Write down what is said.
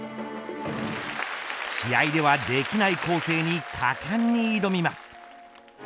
試合ではできない構成に果敢に挑みます。